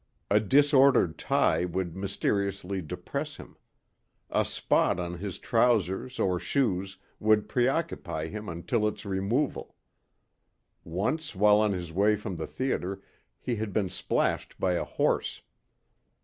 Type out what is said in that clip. A disordered tie would mysteriously depress him. A spot on his trousers or shoes would preoccupy him until its removal. Once while on his way from the theater he had been splashed by a horse.